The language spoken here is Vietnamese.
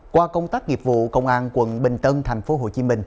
qua công tác nghiệp vụ công an quận bình tân tp hcm